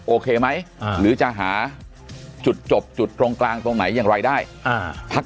โอเคไหมหรือจะหาจุดจบจุดตรงกลางตรงไหนอย่างไรได้พัก